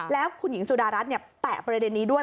แล้วคุณหญิงสุดารัฐแตะประเด็นนี้ด้วย